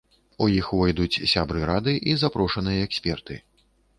У іх увойдуць сябры рады і запрошаныя эксперты.